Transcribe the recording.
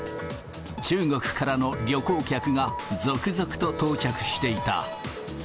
中国からの旅行客が続々と到着していた。